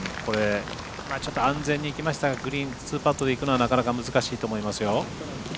ちょっと安全に行きましたがグリーン２パットで行くのはなかなか難しいと思いますよ。